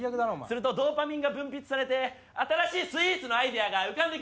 するとドーパミンが分泌されて新しいスイーツのアイデアが浮かんでくるんですよ。